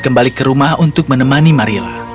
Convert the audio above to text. kembali ke rumah untuk menemani marila